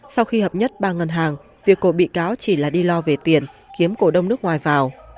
sau khi hợp nhất ba ngân hàng việc cổ bị cáo chỉ là đi lo về tiền kiếm cổ đông nước ngoài vào